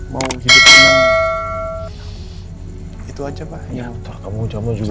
mau hidup dengan mereka